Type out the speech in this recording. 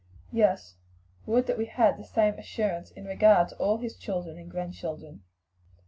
"Yes; would that we had the same assurance in regard to all his children and grandchildren."